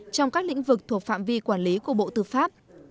trong các lĩnh vực thuộc phạm vi quản lý của bộ tư pháp